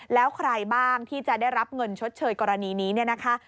แล้วใครบ้างที่จะได้รับเงินชดเชยกรณีนี้เนี่ยนะคะ